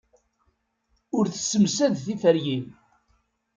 Ur tessemsad tiferyin.